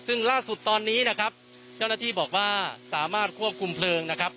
ซึ่งล่าสุดตอนนี้นะครับเจ้าหน้าที่บอกว่าสามารถควบคุมเพลิงนะครับ